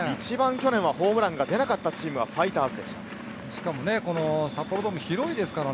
一番去年、ホームランが出なかったチームはファイターズでした。